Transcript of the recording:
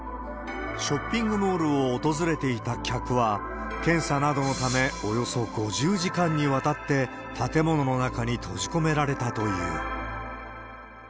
ショッピングモールを訪れていた客は、検査などのため、およそ５０時間にわたって建物の中に閉じ込められたという。